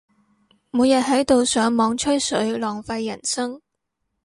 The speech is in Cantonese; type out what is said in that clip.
每日都喺度上網吹水，浪費人生